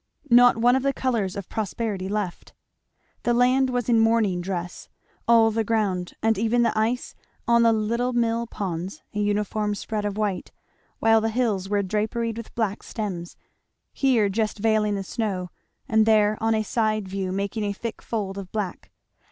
Not one of the colours of prosperity left. The land was in mourning dress; all the ground and even the ice on the little mill ponds a uniform spread of white, while the hills were draperied with black stems, here just veiling the snow, and there on a side view making a thick fold of black.